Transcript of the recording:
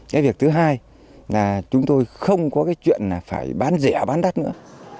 cái việc thứ hai là chúng tôi không có cái chuyện là phải bán rẻ bán đắt nữa